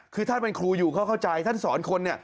คือท่านเป็นครูอยู่เขาเข้าใจท่านสอนคน